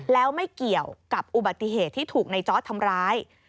แล้วไม่เกี่ยวกับอุบัติเหตุที่ถูกในจอร์ดทำร้าย